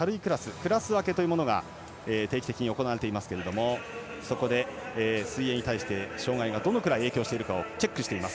クラス分けというものが定期的に行われていますけれどもそこで、水泳に対して障がいがどのぐらい影響しているかをチェックしています。